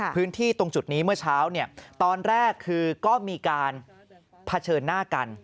พื้นที่ตรงจุดนี้เมื่อเช้าตอนแรกคือก็มีการเผชิญหน้ากัน